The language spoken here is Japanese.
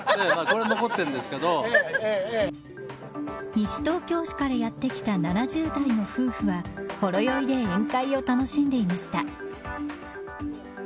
西東京市からやって来た７０代の夫婦はほろ酔いで宴会を楽しんでいました。